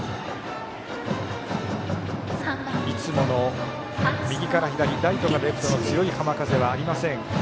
いつもの右から左ライトからレフトの強い浜風はありません。